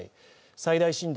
最大震度